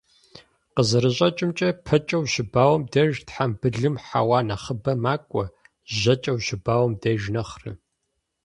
КъызэрыщӀэкӀымкӀэ, пэкӀэ ущыбауэм деж тхьэмбылым хьэуа нэхъыбэ макӀуэ, жьэкӀэ ущыбауэм деж нэхърэ.